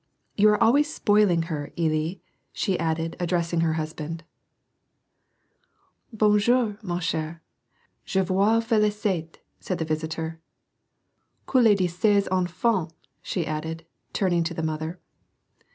" You are always spoiling her, Elie," she added, addressing her husband. "Bonjonr, ma cMre, je vous felicite,^^ said the visitor. " Quelle dehcieuse enfant !" slip added, turning to the mother.